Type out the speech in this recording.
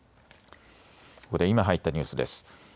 ここで今入ったニュースです。